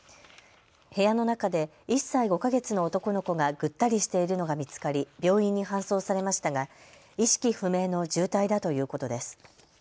部屋の中で１歳５か月の男の子がぐったりしているのが見つかり病院に搬送されましたが意識不明の重体だということです。